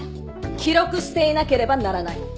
記録していなければならない。